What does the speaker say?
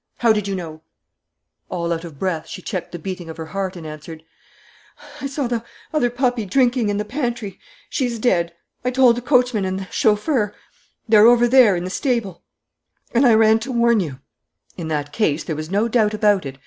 How did you know it?" All out of breath, she checked the beating of her heart and answered: "I saw the other puppy drinking in the pantry. She's dead. I told the coachman and the chauffeur. They're over there, in the stable. And I ran to warn you." "In that case, there was no doubt about it.